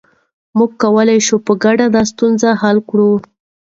موږ کولای شو په ګډه دا ستونزه حل کړو.